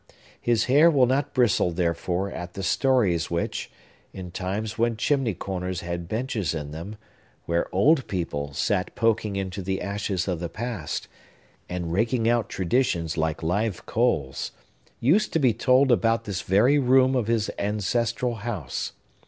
His hair will not bristle, therefore, at the stories which—in times when chimney corners had benches in them, where old people sat poking into the ashes of the past, and raking out traditions like live coals—used to be told about this very room of his ancestral house.